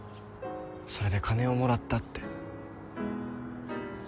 それで金をもらったって。